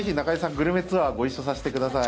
グルメツアーご一緒させてください。